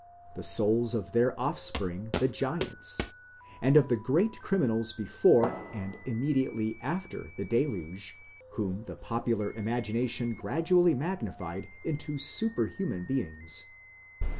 the souls of their offspring the giants, and of the great criminals before and immediately after the deluge, whom the popular imagin ation gradually magnified into superhuman beings.